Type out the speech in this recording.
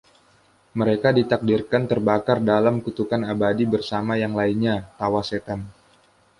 Mereka ditakdirkan terbakar dalam kutukan abadi bersama yang lainnya, tawa Setan.